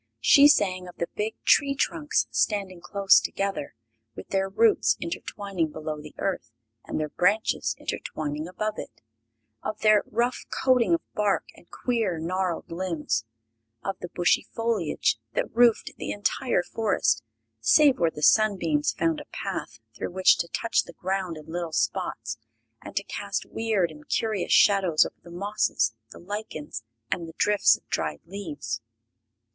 She sang of the big tree trunks, standing close together, with their roots intertwining below the earth and their branches intertwining above it; of their rough coating of bark and queer, gnarled limbs; of the bushy foliage that roofed the entire forest, save where the sunbeams found a path through which to touch the ground in little spots and to cast weird and curious shadows over the mosses, the lichens and the drifts of dried leaves.